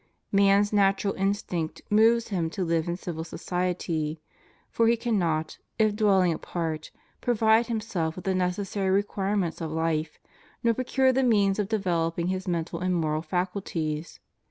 Man's natural instinct moves him to hve in civil society, for he cannot, if dwelling apart, provide himself with the necessary requirements of life, nor procure the means of developing his mental and moral faculties.